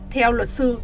theo luật sư